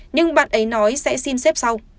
nhưng bạn ấy nói sẽ xin xếp sau